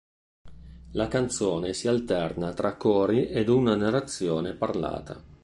La canzone si alterna tra cori ed una narrazione parlata.